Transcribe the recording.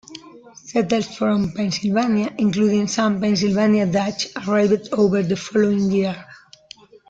Settlers from Pennsylvania, including some Pennsylvania Dutch, arrived over the following year.